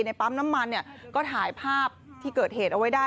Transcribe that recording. ปั๊มน้ำมันเนี่ยก็ถ่ายภาพที่เกิดเหตุเอาไว้ได้